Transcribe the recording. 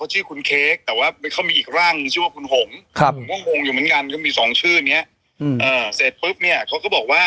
อ๋อหมาก็มีอยู่๖ตัว